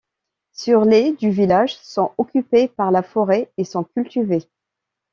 Sur les du village, sont occupés par la forêt et sont cultivés.